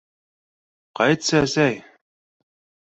Ҡайтсы, әсәй!